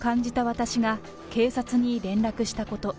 私が警察に連絡したこと。